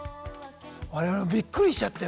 我々もびっくりしちゃって。